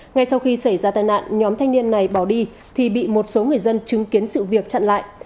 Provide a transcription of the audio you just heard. ngay sau khi xảy ra tai nạn nhóm thanh niên này bỏ đi thì bị một số người dân chứng kiến sự việc chặn lại